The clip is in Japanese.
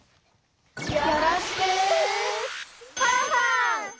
よろしくファンファン！